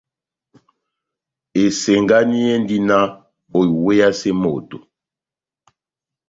Esengani endi náh oiweyase moto.